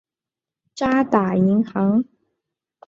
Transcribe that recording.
渣打银行。